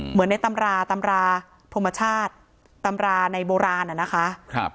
เหมือนในตำราตำราธรรมชาติตำราในโบราณนะคะ